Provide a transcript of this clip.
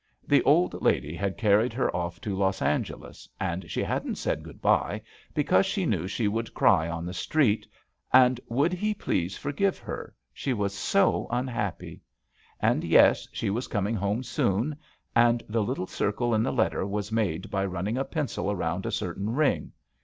The old lady had carried her off to Los Angeles and she hadn't said goodbye because she knew she would cry on the street, and would he ' JUST SWEETHEARTS ^ please forgive her, she was so unhappy. And, yes, she was coming home soon; and the little circle in the letter was made by running a pencil around .a certain ring.